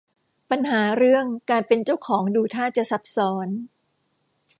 ปัญหาเรื่องการเป็นเจ้าของดูท่าจะซับซ้อน